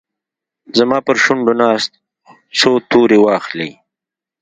زما پرشونډو ناست، څو توري واخلې